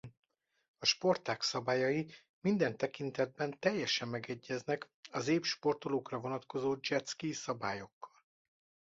A sportág szabályai minden tekintetben teljesen megegyeznek az ép sportolókra vonatkozó jet-ski szabályokkal.